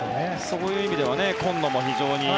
そういう意味では今野も非常に。